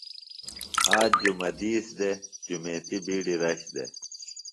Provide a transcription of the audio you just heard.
آج جمہ دِیس دےۡ۔ جمیتی بِیڈیۡ رش دےۡ۔